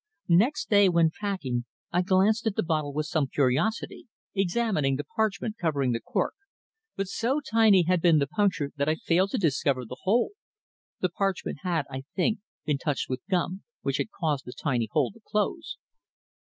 Next day, when packing, I glanced at the bottle with some curiosity, examining the parchment covering the cork, but so tiny had been the puncture that I failed to discover the hole. The parchment had, I think, been touched with gum, which had caused the tiny hole to close."